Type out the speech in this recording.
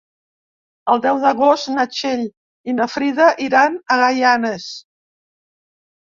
El deu d'agost na Txell i na Frida iran a Gaianes.